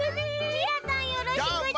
ミラたんよろしくち。